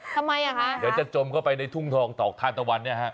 ทำไมอ่ะคะก็จะจมเข้าไปในทุ่งทองดอกทานตะวันนะฮะ